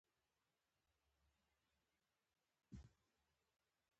سرحدونه د افغانانو د ګټورتیا برخه ده.